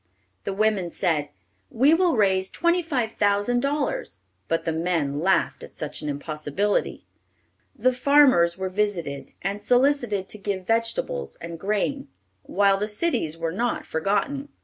The women said, "We will raise twenty five thousand dollars," but the men laughed at such an impossibility. The farmers were visited, and solicited to give vegetables and grain, while the cities were not forgotten.